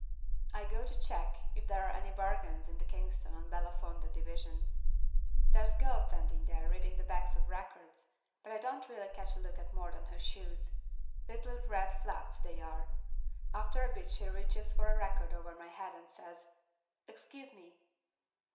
I go to check if there are any bargains in the Kingston or Belafonte division. There's a girl standing there reading the backs of records, but I don't really catch a look at more than her shoes—little red flats they are. After a bit she reaches for a record over my head and says, "Excuse me."